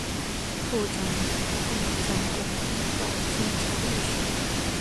后任掌广东道监察御史。